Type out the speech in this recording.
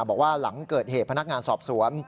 บอกว่าหลังเกิดเหตุพนักงานสอบสวน